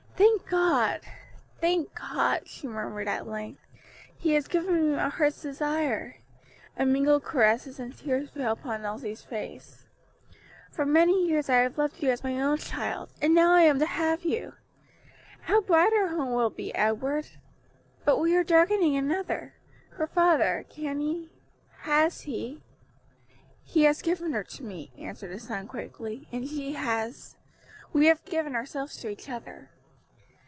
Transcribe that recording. "Thank God! thank God!" she murmured at length. "He has given me my heart's desire;" and mingled caresses and tears fell upon Elsie's face. "For many years I have loved you as my own child, and now I am to have you. How bright our home will be, Edward. But we are darkening another. Her father; can he has he " "He has given her to me," answered the son quickly, "and she has we have given ourselves to each other.